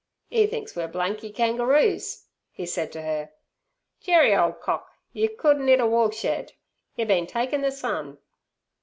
"'E thinks we're blanky kangaroos," he said to her. "Jerry, ole cock, yer couldn't 'it a woolshed! Yer been taking ther sun!"